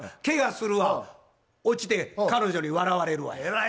ケガするわ落ちて彼女に笑われるわや。